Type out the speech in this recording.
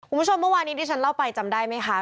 เมื่อวานี้ที่ฉันเล่าไปจำได้ไหมคะ